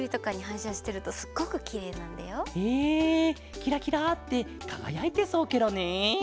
キラキラってかがやいてそうケロね。